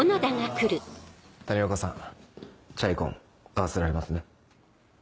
谷岡さん『チャイコン』合わせられますね？